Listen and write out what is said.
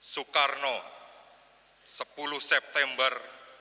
soekarno sepuluh september dua ribu sebelas